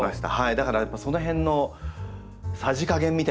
だからやっぱその辺のさじ加減みたいなものが全然。